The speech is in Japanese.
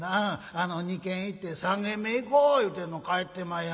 あの２軒行って３軒目行こう言うてんの帰ってまいやがんねん。